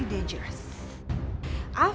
ini sangat berbahaya